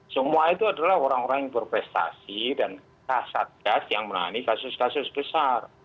semua itu adalah orang orang yang berprestasi dan kasat gas yang menangani kasus kasus besar